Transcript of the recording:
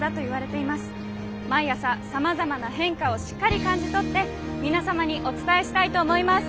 毎朝さまざまな変化をしっかり感じ取って皆様にお伝えしたいと思います。